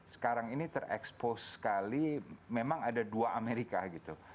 sekarang ini terekspos sekali memang ada dua amerika gitu